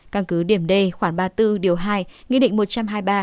căn cứ điểm đề khoảng ba mươi bốn điều hai nghị định một trăm hai mươi ba hai nghìn hai mươi một